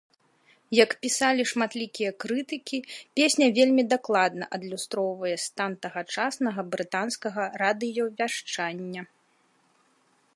Як пісалі шматлікія крытыкі, песня вельмі дакладна адлюстроўвае стан тагачаснага брытанскага радыёвяшчання.